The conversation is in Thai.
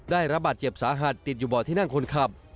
ได้รับบาดเจ็บสาหัสติดอยู่บ่อที่นั่งคนขับ